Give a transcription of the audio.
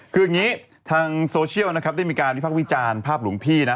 คืออย่างนี้ทางโซเชียลนะครับได้มีการวิพักษ์วิจารณ์ภาพหลวงพี่นะ